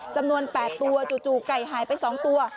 จำนวน๘ตัวจู่ไก่หายไป๒ตัว